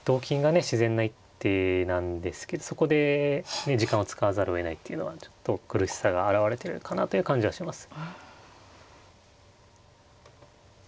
自然な一手なんですけどそこで時間を使わざるをえないっていうのはちょっと苦しさが表れてるかなという感じはします。